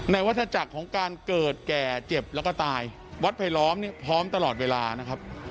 วัฒนาจักรของการเกิดแก่เจ็บแล้วก็ตายวัดไผลล้อมเนี่ยพร้อมตลอดเวลานะครับ